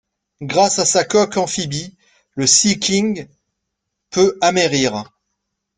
Grâce à sa coque amphibie, le Sea King peut amerrir.